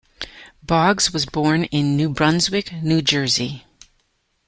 Boggs was born in New Brunswick, New Jersey.